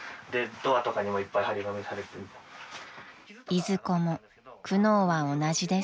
［いずこも苦悩は同じです］